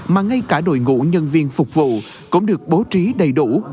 mà ngay cả đội ngũ nhân viên phục vụ cũng được bố trí đầy đủ